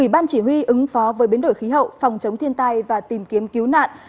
ban chỉ huy ứng phó với biến đổi khí hậu phòng chống thiên tai và tìm kiếm cứu nạn